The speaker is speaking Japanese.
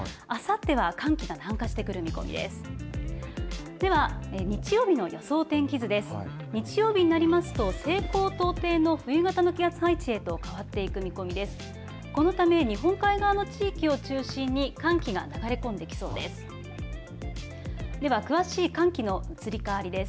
このため、日本海側の地域を中心に、寒気が流れ込んできそうです。